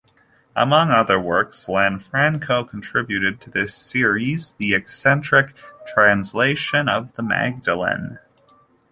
Among other works, Lanfranco contributed to this series, the eccentric "Translation of the Magdalen".